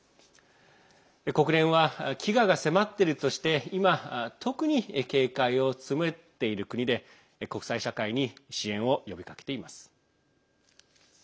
国連は飢餓が迫っているとして今、特に警戒を強めている国で国際社会に支援を呼びかけています。